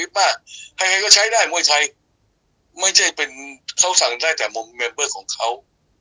อิฟม่าใครใครก็ใช้ได้มวยใช้ไม่ได้แต่มึงของเขา